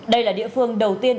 đây là địa phương đầu tiên